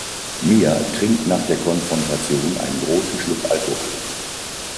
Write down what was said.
Mia trinkt nach der Konfrontation einen großen Schluck Alkohol.